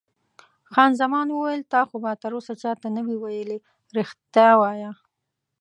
خان زمان وویل: تا خو به تراوسه چا ته نه وي ویلي؟ رښتیا وایه.